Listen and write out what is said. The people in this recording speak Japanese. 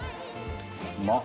うまっ。